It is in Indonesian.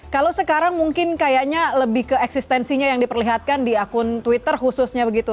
kalau sekarang mungkin kayaknya lebih ke eksistensinya yang diperlihatkan di akun twitter khususnya begitu